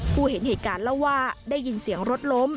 ผู้เห็นเหตุการณ์เล่าว่าได้ยินเสียงรถล้ม